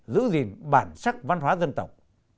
giữ gìn bản sắc văn hóa dân tộc